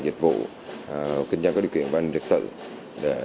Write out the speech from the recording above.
dịch vụ kinh doanh có điều kiện và an ninh trực tự